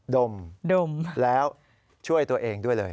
ดมแล้วช่วยตัวเองด้วยเลย